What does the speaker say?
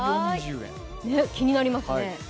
気になりますね。